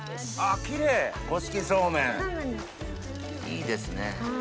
いいですね。